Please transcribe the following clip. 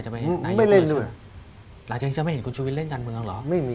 หลังจากนี้จะไม่เห็นคุณชุวิตเล่นการเมืองหรอ